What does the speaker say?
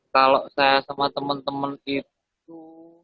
kalau saya sama teman teman itu